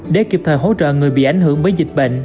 để kịp thời hỗ trợ người bị ảnh hưởng bởi dịch bệnh